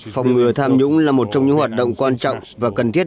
phòng ngừa tham nhũng là một trong những hoạt động quan trọng và cần thiết